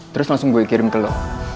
terus langsung gue kirim ke lo